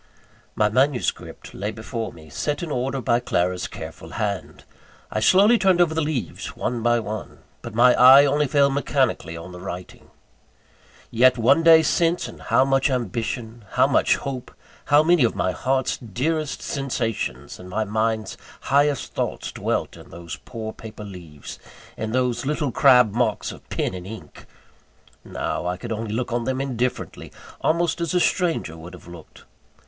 VIII. My manuscript lay before me, set in order by Clara's careful hand. I slowly turned over the leaves one by one; but my eye only fell mechanically on the writing. Yet one day since, and how much ambition, how much hope, how many of my heart's dearest sensations and my mind's highest thoughts dwelt in those poor paper leaves, in those little crabbed marks of pen and ink! Now I could look on them indifferently almost as a stranger would have looked.